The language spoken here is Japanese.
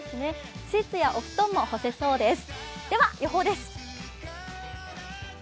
シーツやお布団も干せそうです。